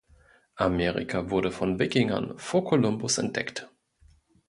Amerika wurde von Wikingern vor Columbus entdeckt.